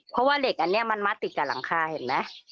เพราะว่าเหล็กอันนี้มันมัดติดกับหลังคาเห็นไหม